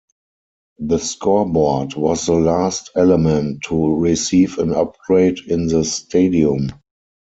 The scoreboard was the last element to receive an upgrade in the stadium.